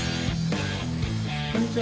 こんにちは。